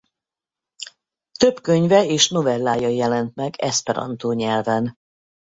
Több könyve és novellája jelent meg eszperantó nyelven.